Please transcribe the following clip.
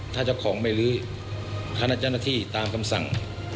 ถ้าเจ้าของไม่ลื้อคณะเจ้าหน้าที่ตามคำสั่ง